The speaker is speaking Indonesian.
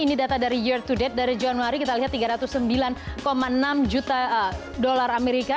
ini data dari year to date dari januari kita lihat tiga ratus sembilan enam juta dolar amerika